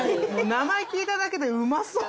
名前聞いただけでうまそう！